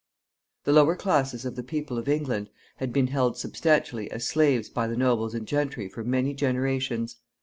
The lower classes of the people of England had been held substantially as slaves by the nobles and gentry for many generations.